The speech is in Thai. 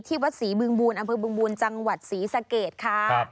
ที่สีบึงบูรอำเภอบึงบูรจังหวัดสีสะเกดค่ะ